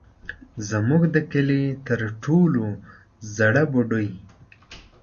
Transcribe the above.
زموږ د کلي تر ټولو زړه بوډۍ.